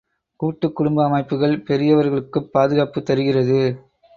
கூட்டுக் குடும்ப அமைப்புகள் பெரியவர்களுக்குப் பாதுகாப்புத் தருகிறது.